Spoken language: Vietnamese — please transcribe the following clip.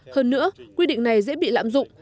hơn nữa quy định này dễ bị lạm dụng